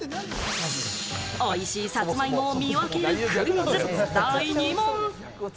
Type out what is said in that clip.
おいしいさつまいもを見分けるクイズ第２問。